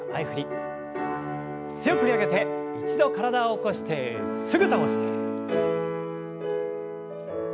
強く振り上げて一度体を起こしてすぐ倒して。